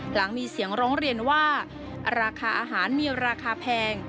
หลังมีเสียงร้องเรียนว่าราคาอาหารมีราคาแพง